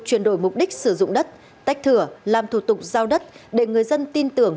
chuyển đổi mục đích sử dụng đất tách thửa làm thủ tục giao đất để người dân tin tưởng